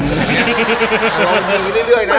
ลองยิงอย่างนี้เรื่อยนะ